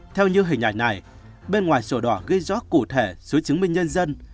theo như hình ảnh này bên ngoài sổ đỏ ghi rõ cụ thể số chứng minh nhân dân